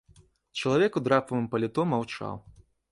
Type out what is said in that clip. Чалавек у драпавым паліто маўчаў.